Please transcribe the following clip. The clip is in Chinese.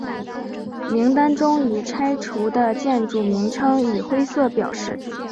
名单中已拆除的建筑名称以灰色表示。